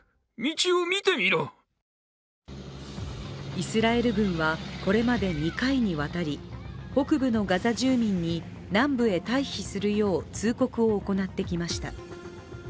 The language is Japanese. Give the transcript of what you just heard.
イスラエル軍はこれまで２回にわたり北部のガザ住民に南部へ退避するよう、通告を行ってきました。